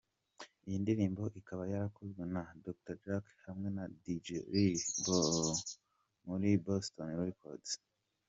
Iyi ndirimbo ikaba yarakozwe na Dr Jack hamwe na Dj lil muri Boston Records.